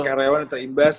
dan karyawan yang terimbas